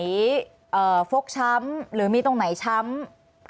อันดับที่สุดท้าย